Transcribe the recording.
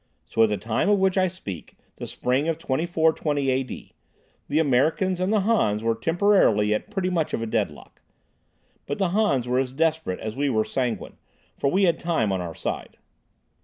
So at the time of which I speak, the Spring of 2420 A.D., the Americans and the Hans were temporarily at pretty much of a deadlock. But the Hans were as desperate as we were sanguine, for we had time on our side.